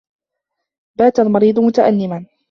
بَاتَ الْمَرِيضُ مُتَأَلِّمًا.